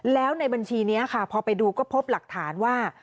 แล้วในบัญชีนี้ค่ะพอไปดูก็พบหลักฐานว่า